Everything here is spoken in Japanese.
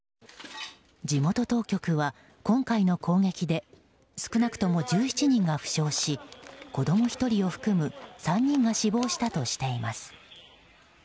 地元当局は今回の攻撃で少なくとも１７人が負傷し子供１人を含む３人が死亡したとしています。